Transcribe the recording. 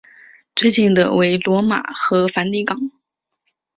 最近的为罗马和梵蒂冈。